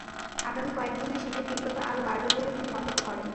আগামী কয়েক দিনে শীতের তীব্রতা আরও বাড়বে বলে তিনি মন্তব্য করেন।